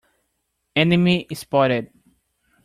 Enemy spotted!